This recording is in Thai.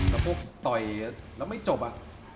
แล้วพวกต่อยแล้วไม่จบอ่ะ